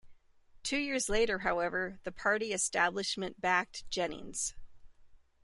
Two years later, however, the party establishment backed Jennings.